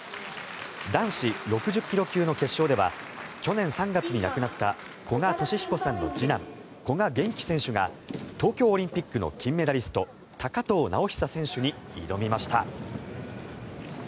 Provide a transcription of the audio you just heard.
男子６０ｋｇ級の決勝では去年３月に亡くなった古賀稔彦さんの次男古賀玄暉選手が東京オリンピックの金メダリスト高藤直寿選手に挑みました。